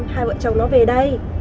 hai vợ chồng nó về đây